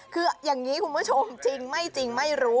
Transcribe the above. คืออย่างนี้คุณผู้ชมจริงไม่จริงไม่รู้